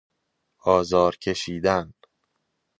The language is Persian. آزار کشیدن